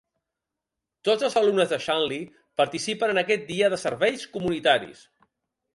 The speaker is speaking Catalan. Tots els alumnes de Shanley participen en aquest dia de serveis comunitaris.